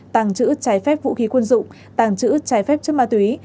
tàng trữ trái phép vũ khí quân dụng tàng trữ trái phép chất ma túy